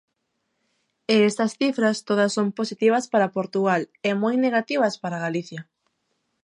E estas cifras todas son positivas para Portugal e moi negativas para Galicia.